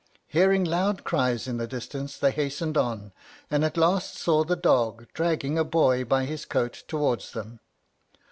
Hearing loud cries in the distance, they hastened on, and at last saw the dog dragging a boy by his coat towards them.